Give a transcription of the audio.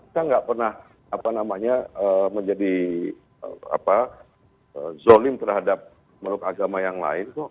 kita enggak pernah apa namanya menjadi apa zolim terhadap menurut agama yang lain kok